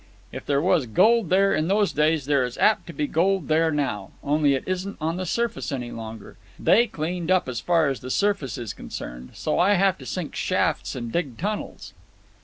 If there was gold there in those days there is apt to be gold there now. Only it isn't on the surface any longer. They cleaned up as far as the surface is concerned, so I have to sink shafts and dig tunnels."